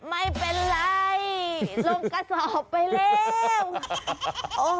ไม่เป็นไรลงกระสอบไปแล้ว